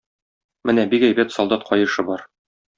Менә, бик әйбәт солдат каешы бар.